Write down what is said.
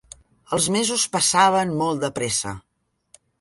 Els mesos passaven molt de pressa.